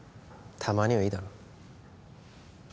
たまにはいいだろ